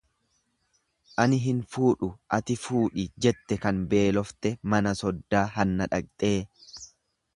Ani hin fuudhu ati fuudhi jette kan beelofte mana soddaa hanna dhaqxee.